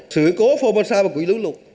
sự cố phong mô sa và quý lũ lục